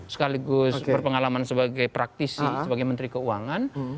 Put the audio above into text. sekaligus berpengalaman sebagai praktisi sebagai menteri keuangan